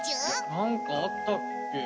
なんかあったっけ？